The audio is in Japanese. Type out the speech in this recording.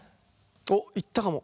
おっいったかも。